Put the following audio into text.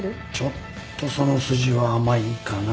ちょっとその筋は甘いかなぁ。